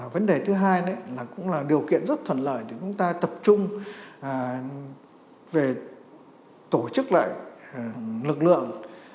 vấn đề thứ hai là điều kiện rất thuận lợi để chúng ta tập trung về tổ chức lại lực lượng